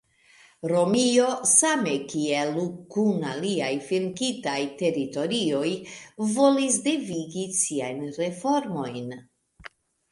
Romio, same kiel kun aliaj venkitaj teritorioj, volis devigi siajn reformojn.